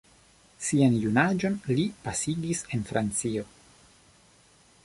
Sian junaĝon li pasigis en Francio.